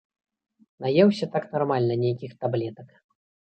Наеўся так нармальна нейкіх таблетак.